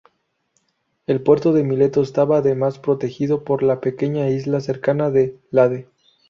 El puerto de Mileto estaba además protegido por la pequeña isla cercana de Lade.